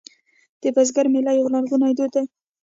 د بزګر میله یو لرغونی دود دی